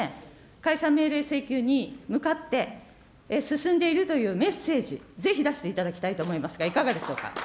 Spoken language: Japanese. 解散命令請求に向かって進んでいるというメッセージ、ぜひ出していただきたいと思いますが、いかがですか。